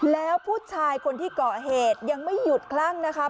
แล้วผู้ชายคนที่เกาะเหตุยังไม่หยุดคลั่งนะคะ